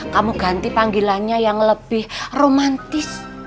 kamu ganti panggilannya yang lebih romantis